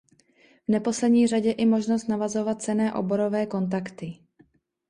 V neposlední řadě i možnost navazovat cenné oborové kontakty.